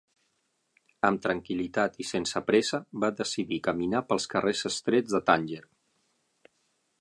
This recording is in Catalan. Amb tranquil·litat i sense pressa, va decidir caminar pels carrers estrets de Tànger.